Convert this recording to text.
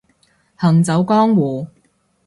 行走江湖